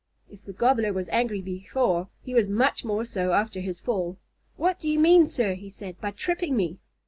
If the Gobbler was angry before, he was much more so after his fall. "What do you mean, sir," he said, "by tripping me?"